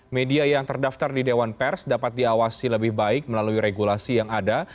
media yang terdaftar di dewan pers dapat diawasi lebih baik melalui regulasi yang ada